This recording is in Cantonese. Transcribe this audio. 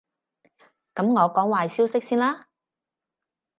噉我講壞消息先啦